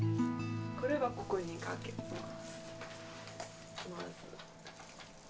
これはここに掛けます。